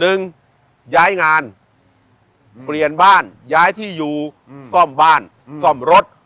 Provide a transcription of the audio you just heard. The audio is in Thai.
หนึ่งย้ายงานเปลี่ยนบ้านย้ายที่อยู่ซ่อมบ้านซ่อมรถ